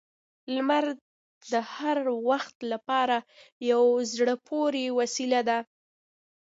• لمر د هر وخت لپاره یو زړه پورې وسیله ده.